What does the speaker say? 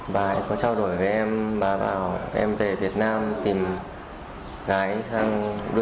bà ấy có trao đổi với em bà bảo em về việt nam tìm gái sang